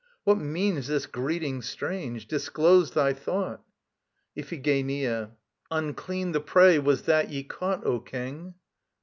What means this greeting strange? Disclose thy thought. IPHIGENIA. Unclean the prey was that ye caught, O King.